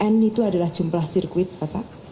n itu adalah jumlah sirkuit bapak